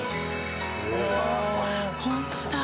ホントだ。